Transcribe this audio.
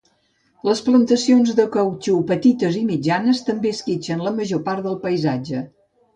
Les plantacions de cautxú petites i mitjanes també esquitxen la major part del paisatge.